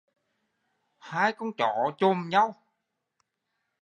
Hai con chó chồm nhau